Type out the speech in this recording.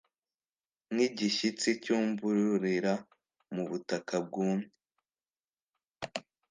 nk'igishyitsi cyumburira mu butaka bwumye.